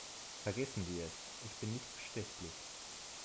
Vergessen Sie es, ich bin nicht bestechlich.